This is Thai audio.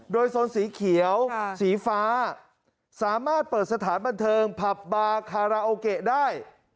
โดยโซนสีเขียวสีฟ้าสามารถเปิดสถานบันเทิงผับบาคาราโอเกะได้